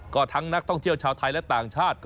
ก็ทั้งนักท่องเที่ยวชาวไทยและต่างชาติ